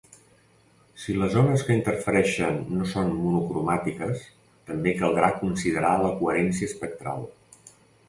Si les ones que interfereixen no són monocromàtiques també caldrà considerar la coherència espectral.